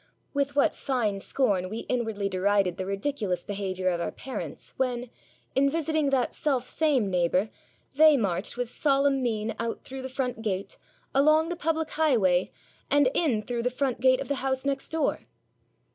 With what fine scorn we inwardly derided the ridiculous behaviour of our parents when, in visiting that selfsame neighbour, they marched with solemn mien out through the front gate, along the public highway and in through the front gate of the house next door!